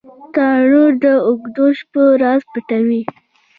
تنور د اوږدو شپو راز پټوي